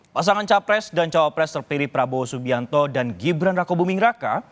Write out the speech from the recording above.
pasangan capres dan capres terpilih prabowo subianto dan gibran rako bumingraka